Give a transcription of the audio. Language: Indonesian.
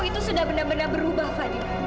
kamu itu sudah benar benar berubah fadil